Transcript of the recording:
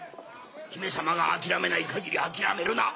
姫様が諦めない限り諦めるな。